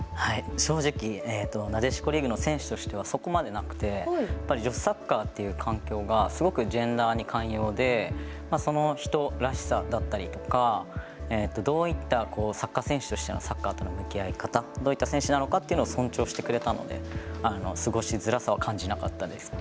正直なでしこリーグの選手としては、そこまでなくて女子サッカーという環境がすごくジェンダーに寛容でその人らしさだったりとかどういったサッカー選手としてのサッカーとの向き合い方、どういった選手なのかというのを尊重してくれたので過ごしづらさは感じなかったです。